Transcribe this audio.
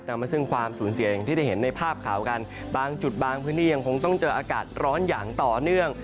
มาซึ่งความสูญเสียอย่างที่ได้เห็นในภาพข่าวกันบางจุดบางพื้นที่ยังคงต้องเจออากาศร้อนอย่างต่อเนื่อง